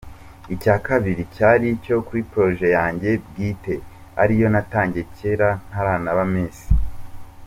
Icya kabiri cyari cyo kuri project yanjye bwite, ariyo natagiye cyera, ntaranaba Miss.